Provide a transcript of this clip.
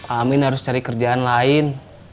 amin harus cari kerjaan lain